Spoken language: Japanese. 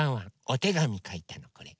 おてがみかいたのこれ。